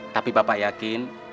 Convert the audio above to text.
tapi bapak yakin